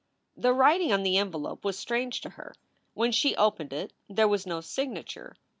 The writing on the envelope was strange to her. When she opened it there was no signature.